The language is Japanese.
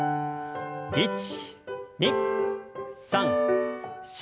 １２３４。